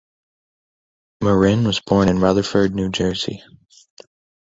Marin was born in Rutherford, New Jersey.